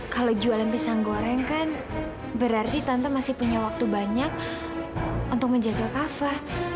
kalau jualan pisang goreng kan berarti tante masih punya waktu banyak untuk menjaga kafa